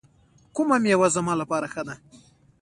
کومه میوه زما لپاره ښه ده؟